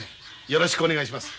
よろしくお願いします。